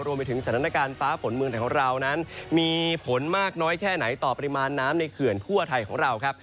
รวมไปถึงสถานการณ์ฟ้าฝนเมืองไทยของเรานั้นมีผลมากน้อยแค่ไหนต่อปริมาณน้ำในเขื่อนทั่วไทยของเราครับ